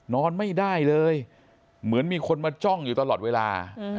นอนไม่ได้เลยเหมือนมีคนมาจ้องอยู่ตลอดเวลา